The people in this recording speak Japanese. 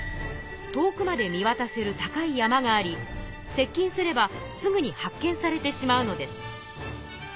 遠くまで見渡せる高い山があり接近すればすぐに発見されてしまうのです。